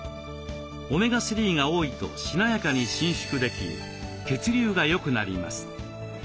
オメガ３が多いとしなやかに伸縮でき血流がよくなります。